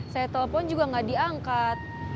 saya telepon juga gak diangkat